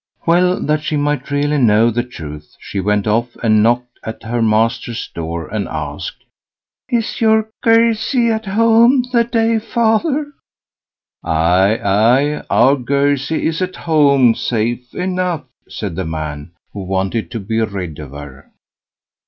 Well! that she might really know the truth, she went off and knocked at her master's door, and asked, "Is your Girzie at home the day, father?" "Aye, aye, our Girzie is at home safe enough", said the man, who wanted to be rid of her.